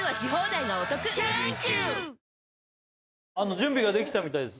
準備ができたみたいです